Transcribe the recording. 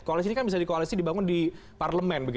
koalisi ini kan bisa dikoalisi dibangun di parlemen